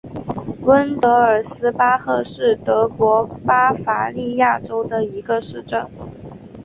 温德尔斯巴赫是德国巴伐利亚州的一个市镇。